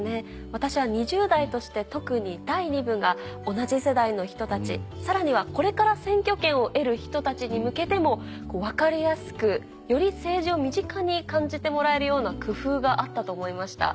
私は２０代として特に第２部が同じ世代の人たちさらにはこれから選挙権を得る人たちに向けても分かりやすくより政治を身近に感じてもらえるような工夫があったと思いました。